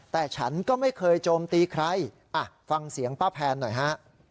แต่ฉันก็ไม่เคยโจมตีใครฟังเสียงป้าแพนหน่อยฮะ